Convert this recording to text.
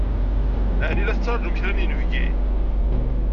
Ɛni la tettṛajum kra n yinebgi?